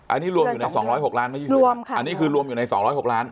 อันนี้รวมอยู่ในสองร้อยหกล้านรวมค่ะอันนี้คือรวมอยู่ในสองร้อยหกล้าน